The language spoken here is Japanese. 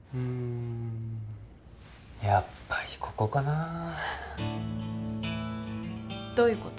やっぱりここかなあどういうこと？